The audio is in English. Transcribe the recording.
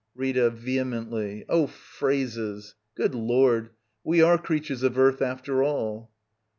Rita. [Vehemently.] Oh, phrases! Good Lord, U*ife are creatures of earth, after all.